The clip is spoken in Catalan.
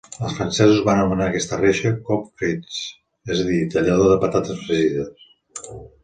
Els francesos van anomenar aquesta reixa "coupe-frites", és a dir, tallador de patates fregides.